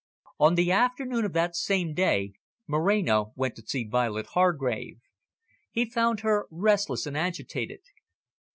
On the afternoon of that same day Moreno went to see Violet Hargrave. He found her restless and agitated.